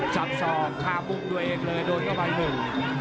จับซอมข้ามมุมด้วยเองเลยโดนเข้าไปหนึ่ง